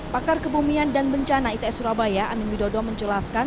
pakar kebumian dan bencana its surabaya amin widodo menjelaskan